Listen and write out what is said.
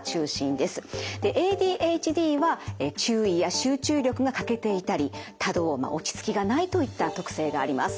ＡＤＨＤは注意や集中力が欠けていたり多動落ち着きがないといった特性があります。